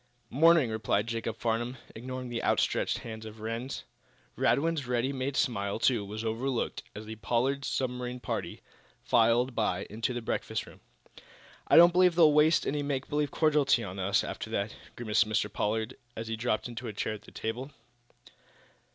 "'Morning," replied Jacob Farnum, ignoring the outstretched hand of Rhinds. Radwin's ready made smile, too, was overlooked, as the Pollard submarine party filed by into the breakfast room. "I don't believe they'll waste any make believe cordiality on us, after that," grimaced Mr. Pollard, as he dropped into a chair at a table.